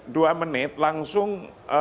dua menit langsung